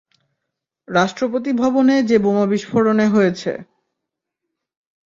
রাষ্ট্রপতি ভবনে যে বোমা বিস্ফোরণে হয়েছে।